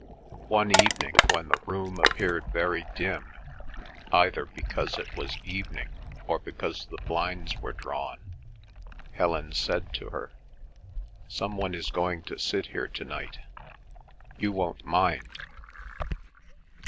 One evening when the room appeared very dim, either because it was evening or because the blinds were drawn, Helen said to her, "Some one is going to sit here to night. You won't mind?"